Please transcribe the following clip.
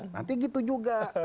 nanti gitu juga